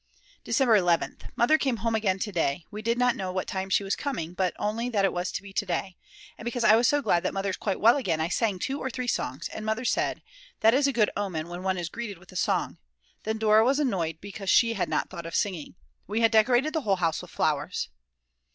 December 11th. Mother came home again to day; we did not know what time she was coming, but only that it was to be to day. And because I was so glad that Mother is quite well again, I sang two or three songs, and Mother said: That is a good omen when one is greeted with a song. Then Dora was annoyed because she had not thought of singing. We had decorated the whole house with flowers.